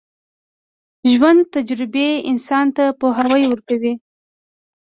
د ژوند تجربې انسان ته پوهه ورکوي.